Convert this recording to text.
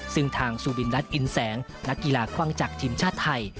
ซึ่งทางสุบินรัฐอินแสงนักกีฬาคว่างจากทีมชาติไทย